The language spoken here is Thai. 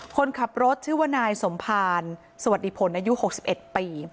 คนขับรถชื่อว่านายสมภารสวัสดีผลอายุ๖๑ปี